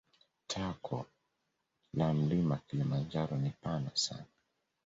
Tako la mlima kilimanjaro ni pana sana